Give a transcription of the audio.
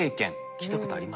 聞いたことあります？